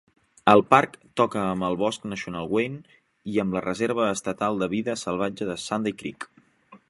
El parc toca amb el Bosc Nacional Wayne i amb la Reserva Estatal de Vida Salvatge de Sunday Creek.